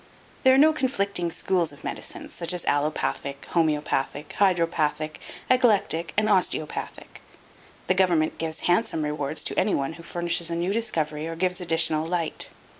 There are no conflicting schools of medicines such as Allopathic, Homeopathic, Hydropathic, Eclectic and Osteopathic. The government gives handsome rewards to any one who furnishes a new discovery or gives additional light.